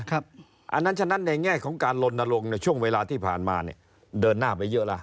อันนั้นฉะนั้นในแง่ของการลนลงในช่วงเวลาที่ผ่านมาเดินหน้าไปเยอะแล้ว